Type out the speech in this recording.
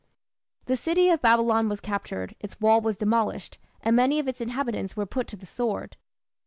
The city of Babylon was captured, its wall was demolished, and many of its inhabitants were put to the sword.